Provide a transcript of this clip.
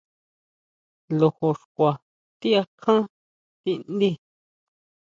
Lojo xkua ti akján tindí.